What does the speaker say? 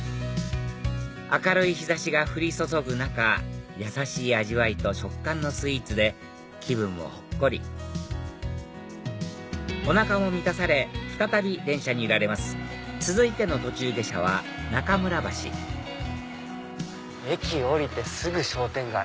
明るい日差しが降り注ぐ中やさしい味わいと食感のスイーツで気分もほっこりおなかも満たされ再び電車に揺られます続いての途中下車は中村橋駅降りてすぐ商店街。